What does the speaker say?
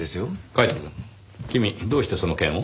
カイトくん君どうしてその件を？